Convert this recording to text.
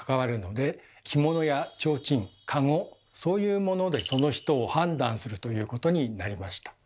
着物やちょうちんかごそういうものでその人を判断するということになりました。